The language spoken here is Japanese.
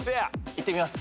いってみます。